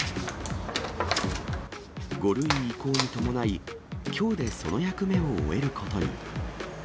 ５類移行に伴い、きょうでその役目を終えることに。